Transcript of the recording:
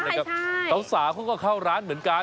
แล้วก็สาวเขาก็เข้าร้านเหมือนกัน